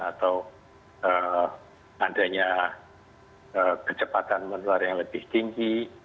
atau adanya kecepatan menular yang lebih tinggi